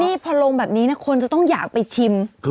นี่พอลงแบบนี้นะคนจะต้องอยากไปชิม